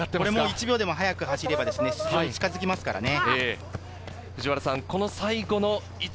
１秒でも速く走れば出場に近づきますからね。